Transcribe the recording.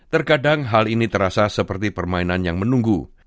terkadang hal ini terasa seperti permainan yang menunggu